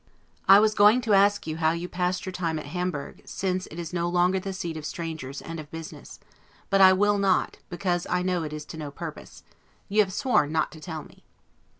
I was going to ask you how you passed your time now at Hamburg, since it is no longer the seat of strangers and of business; but I will not, because I know it is to no purpose. You have sworn not to tell me.